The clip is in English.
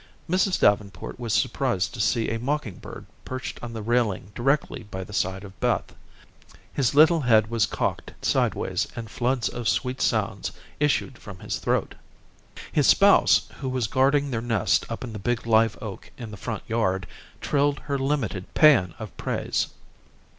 Mrs. Davenport was surprised to see a mocking bird perched on the railing directly by the side of Beth. His little head was cocked sidewise, and floods of sweet sounds issued from his throat. His spouse, who was guarding their nest up in the big live oak in the front yard, trilled her limited paeon of praise.